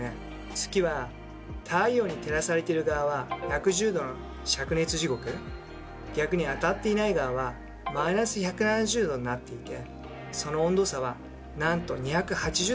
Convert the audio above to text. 月は太陽に照らされている側は１１０℃のしゃく熱地獄逆に当たっていない側は−１７０℃になっていてその温度差はなんと２８０℃もあります。